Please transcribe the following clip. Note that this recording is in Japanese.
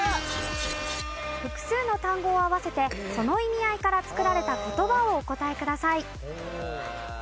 複数の単語を合わせてその意味合いから作られた言葉をお答えください。